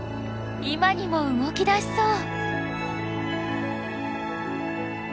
今にも動き出しそう。